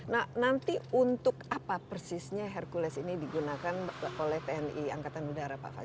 nah nanti untuk apa persisnya hercules ini digunakan oleh tni angkatan udara pak fajar